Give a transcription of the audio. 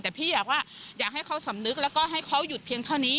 แต่พี่อยากว่าอยากให้เขาสำนึกแล้วก็ให้เขาหยุดเพียงเท่านี้